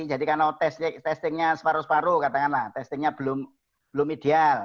jadi karena testingnya separuh separuh katakanlah testingnya belum ideal